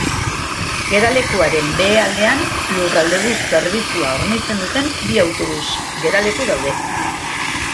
Geralekuaren behealdean Lurraldebus zerbitzua hornitzen duten bi autobus geraleku daude.